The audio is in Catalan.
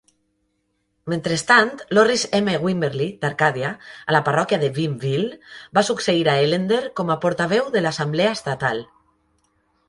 Mentrestant, Lorris M. Wimberly, d'Arcàdia, a la parròquia de Bienville, va succeir a Ellender com a portaveu de l'Assemblea estatal.